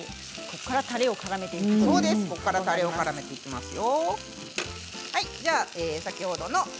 ここからからめていきますよ。